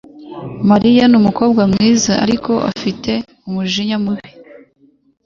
Mariya ni umukobwa mwiza, ariko afite umujinya mubi.